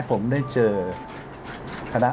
พร้อมแล้วเลยค่ะ